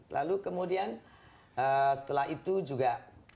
lalu kemudian setelah itu juga